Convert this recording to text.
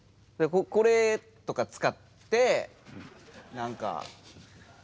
これとか使って何か。